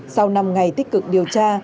sau năm ngày tích cực điều tra